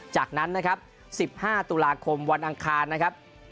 จากนั้นนะครับ๑๕ตุลาคมวันอังคารนะครับ